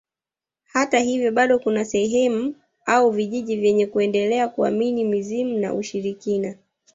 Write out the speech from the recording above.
Hata hivyo bado kuna sehemu au vijiji vyenye kuendelea kuamini mizimu na ushirikina